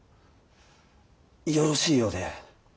よろしいようで。